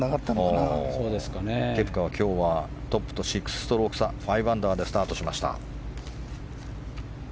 ケプカは今日は、トップと６ストローク差５アンダーでスタートしました。